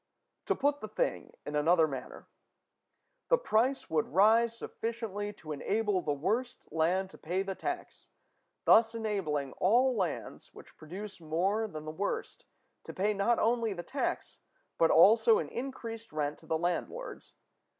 To put the thing in another manner: the price must rise sufficiently to enable the worst land to pay the tax, thus enabling all lands which produce more than the worst to pay not only the tax, but also an increased rent to the landlords.